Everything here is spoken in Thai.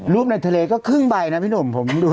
รูปในทะเลก็ครึ่งใบไงพี่หนุ่มผมรู้แล้ว